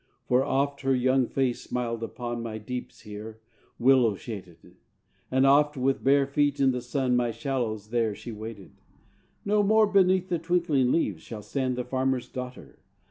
For oft her young face smiled upon My deeps here, willow shaded; And oft with bare feet in the sun My shallows there she waded. No more beneath the twinkling leaves Shall stand the farmer's daughter!